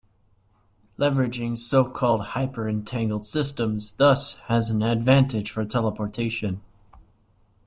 Leveraging so-called hyper-entangled systems thus has an advantage for teleportation.